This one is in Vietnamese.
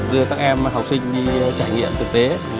đưa các em học sinh đi trải nghiệm thực tế